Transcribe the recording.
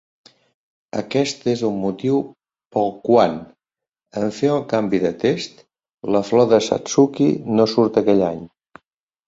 Aquest és el motiu pel quan, en fer el canvi de test, la flor de Satsuki no surt aquell any.